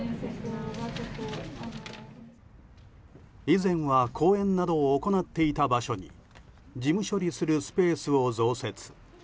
以前は講演などを行っていた場所に事務処理するスペースを増設。